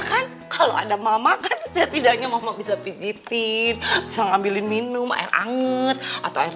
kan kalau ada mama kan setidaknya mama bisa pijitin bisa ngambilin minum air anget atau air